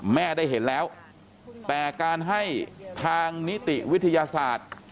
แม่ได้เห็นแล้วแต่การให้ทางนิติวิทยาศาสตร์